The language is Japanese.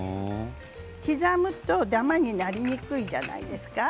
刻むとダマになりにくいじゃないですか。